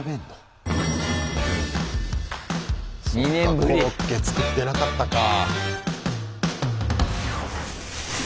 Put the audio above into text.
そっかコロッケ作ってなかったか。